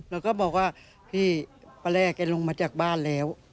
แล้วก็บอกว่าพี่ป้าแรกแกลงมาจากบ้านแล้ว